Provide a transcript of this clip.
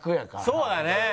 そうだね。